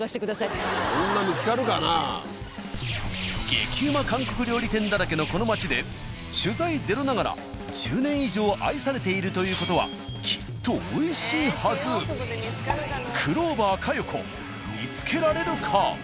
激うま韓国料理店だらけのこの街で取材ゼロながら１０年以上愛されているという事はクロ―バ―佳代子見つけられるか。